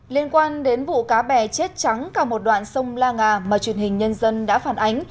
liên quan đến vụ cá bè chết trắng cả một đoạn sông la ngà mà truyền hình nhân dân đã phản ánh